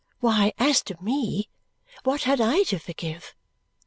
Why, as to me, what had I to forgive!